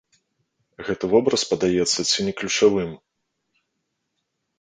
Гэты вобраз падаецца ці не ключавым.